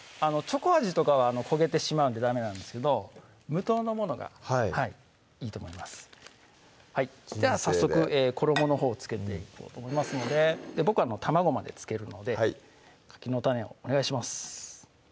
チョコ味とかは焦げてしまうんでダメなんですけど無糖のものがいいと思いますでは早速衣のほうつけていこうと思いますので僕卵までつけるのでかきの種をお願いします